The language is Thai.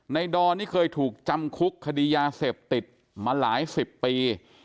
ดอนนี่เคยถูกจำคุกคดียาเสพติดมาหลายสิบปี